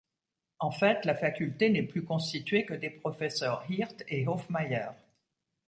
En fait la faculté n’est plus constitué que des professeurs Hirt et Hofmeier.